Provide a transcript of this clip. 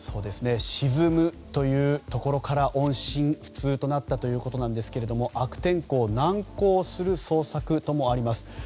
沈むというところから音信不通となったということですが悪天候難航する捜索ともあります。